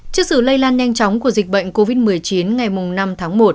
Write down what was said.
trước sự lây lan nhanh chóng của dịch bệnh covid một mươi chín ngày năm tháng một